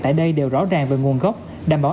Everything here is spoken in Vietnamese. tại đây đều rõ ràng về nguồn gốc đảm bảo